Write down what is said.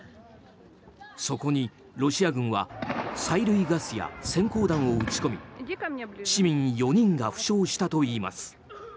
そこにロシア軍は催涙ガスや閃光弾を撃ち込み市民４人が負傷したといいます。